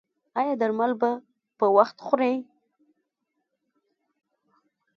ایا درمل به په وخت خورئ؟